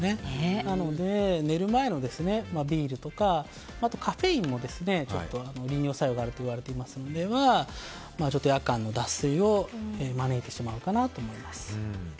なので、寝る前のビールとかあと、カフェインも利尿作用があるといわれていますので夜間の脱水を招いてしまうかなと思います。